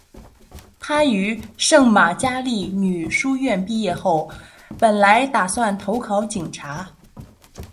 她于圣玛加利女书院毕业后本来打算投考警察。